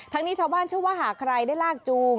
นี้ชาวบ้านเชื่อว่าหากใครได้ลากจูง